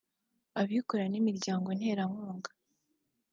abikorera n’imiryango nterankunga